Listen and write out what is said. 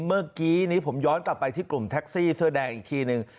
เมื่อกี้นี้ผมย้อนกลับไปที่กลุ่มแท็กซี่เสื้อแดงอีกทีหนึ่ง